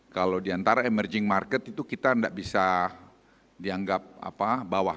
kalau diantara emerging market itu kita tidak bisa dianggap bawah